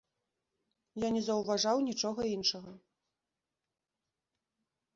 Я не заўважаў нічога іншага.